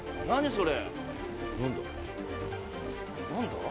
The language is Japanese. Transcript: それ」